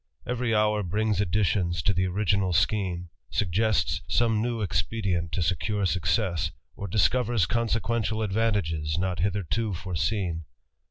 Every hour brings additions to the original sch suggests some new expedient to secure success, or disc consequential advantages not hitherto foreseen.